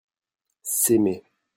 s'aimer.